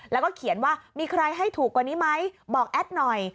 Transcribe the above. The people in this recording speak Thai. แล้วก็เขียนว่ามีใครให้ถูกกว่านี้ไหมบอกแอดหน่อย